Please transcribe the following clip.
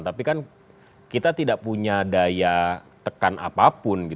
tapi kan kita tidak punya daya tekan apapun